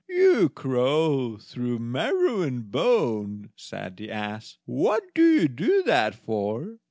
"You crow through marrow and bone," said the ass; "what do you do that for?"